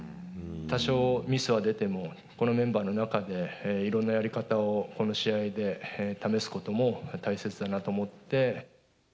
多少ミスは出ても、このメンバーの中で、いろんなやり方を、この試合で試すことも大切だなと思って。